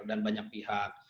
dan banyak pihak